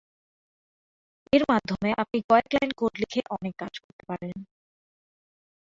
এর মাধ্যমে আপনি কয়েক লাইন কোড লিখে অনেক কাজ করতে পারেন।